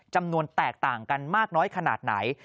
แตกต่างกันมากน้อยขนาดไหน